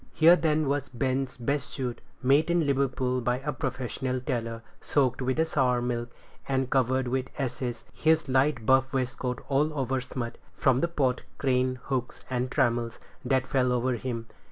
Here, then, was Ben's best suit, made in Liverpool by a professional tailor, soaked with sour milk, and covered with ashes; his light buff waistcoat all over smut, from the pot, crane, hooks, and trammels, that fell over him.